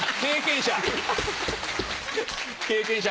経験者！